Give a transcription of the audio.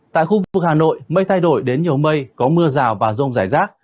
tại khu vực hà nội mây thay đổi đến nhiều mây có mưa rào và rông rải rác